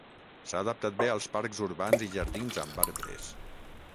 S'ha adaptat bé als parcs urbans i jardins amb arbres.